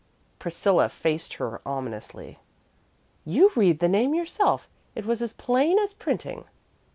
Priscilla faced her ominously. "You read the name yourself. It was as plain as printing."